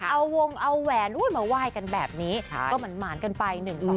เอาวงเอาแหวนมาไหว้กันแบบนี้ก็หมานกันไป๑๒๒